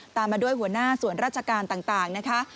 มาด้วยหัวหน้าส่วนราชการต่างนะคะ